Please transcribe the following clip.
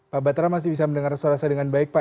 pak batra masih bisa mendengar suara saya dengan baik pak